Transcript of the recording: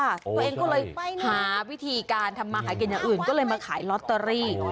ตัวเองก็เลยหาวิธีการทำมาหากินอย่างอื่นก็เลยมาขายลอตเตอรี่